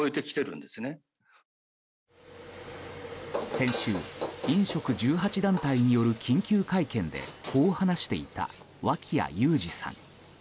先週、飲食１８団体による緊急会見でこう話していた脇屋友詞さん。